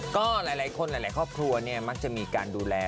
ก็หลายคนหลายข้อครัวเนี่ยมักจะมีการดูแล